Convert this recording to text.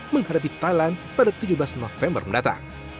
menghadapi thailand pada tujuh belas november mendatang